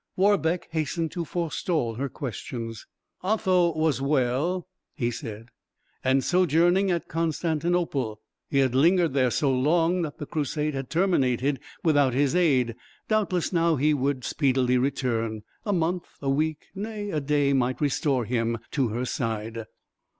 Warbeck hastened to forestall her questions. "Otho was well," he said, "and sojourning at Constantinople; he had lingered there so long that the crusade had terminated without his aid: doubtless now he would speedily return; a month, a week, nay, a day might restore him to her side."